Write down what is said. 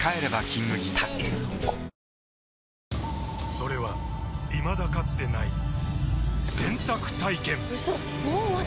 それはいまだかつてない洗濯体験‼うそっ！